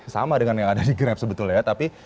sama dengan yang ada di grab sebetulnya ya tapi